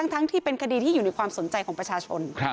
ทั้งที่เป็นคดีที่อยู่ในความสนใจของประชาชน